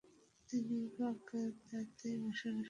তিনি বাগদাদে বসবাস করতেন।